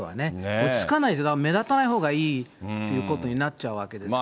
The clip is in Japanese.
落ち着かないですよ、目立たないほうがいいということになっちゃうわけですからね。